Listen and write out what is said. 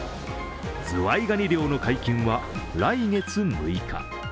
ズワイガニ漁の解禁は来月６日。